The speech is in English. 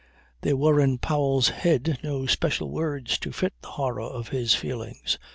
There were in Powell's head no special words to fit the horror of his feelings.